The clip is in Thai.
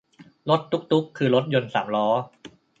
รถตุ๊กตุ๊ก คือรถยนต์สามล้อ